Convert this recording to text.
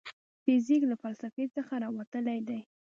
فزیک له فلسفې څخه راوتلی دی.